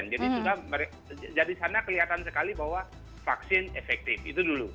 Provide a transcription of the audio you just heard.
jadi sudah jadi sana kelihatan sekali bahwa vaksin efektif itu dulu